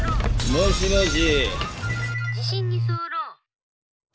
もしもし？